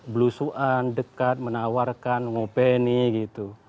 belusuan dekat menawarkan ngopeni gitu